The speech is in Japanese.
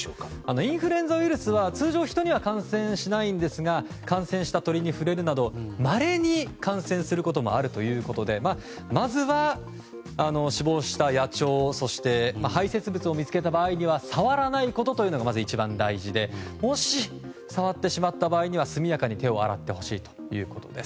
インフルエンザウイルスは通常、人には感染しないんですが感染した鳥に触れるなどまれに感染することもあるということでまずは、死亡した野鳥そして、排せつ物を見つけた場合触らないことというのがまず一番大事でもし、触ってしまった場合には速やかに手を洗ってほしいということです。